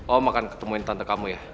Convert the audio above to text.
om akan ketemuin tante kamu ya